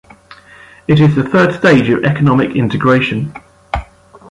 It is the third stage of economic integration.